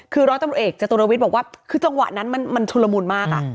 คือร้อยตำรวจเอกจตุรวิทย์บอกว่าคือจังหวะนั้นมันชุลมุนมาก